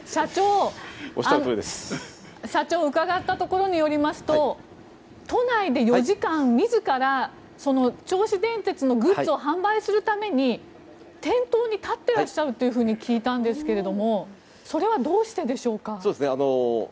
社長伺ったところによりますと都内で４時間自ら銚子電鉄のグッズを販売するために店頭に立ってらっしゃると聞いたんですけれどそれはどうしてでしょうか。